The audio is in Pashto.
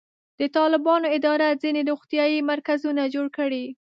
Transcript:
د طالبانو اداره ځینې روغتیایي مرکزونه جوړ کړي.